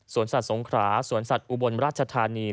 สัตว์สงขราสวนสัตว์อุบลราชธานี